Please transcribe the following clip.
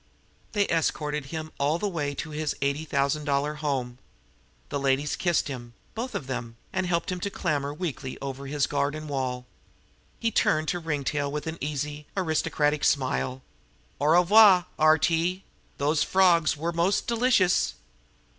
They escorted him all the way to his eighty thousand dollar home. The ladies kissed him both of them and helped him to clamber weakly over his garden wall. He turned to Ringtail with an easy, aristocratic smile: "Au revoir, R.T.! Those frawgs were most delicious!"